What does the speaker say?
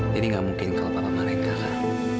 jadi nggak mungkin kalau papa marahin kakak